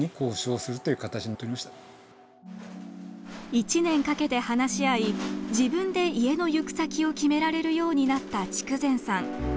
１年かけて話し合い自分で家の行く先を決められるようになった筑前さん。